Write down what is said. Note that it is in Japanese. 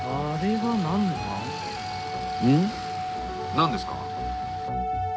何ですか？